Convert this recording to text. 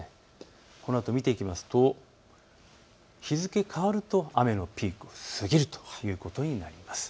このあと見ていきますと日付が変わると雨のピークを過ぎるということになります。